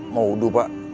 mau wudhu pak